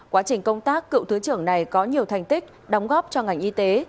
quá trình công tác cựu thứ trưởng này có nhiều thành tích đóng góp cho ngành y tế